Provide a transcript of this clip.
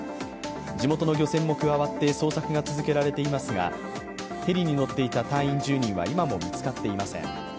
地元の漁船も加わって捜索が続けられていますが、ヘリに乗っていた隊員１０人は今も見つかっていません。